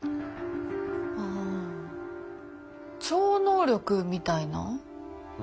ああ超能力みたいな？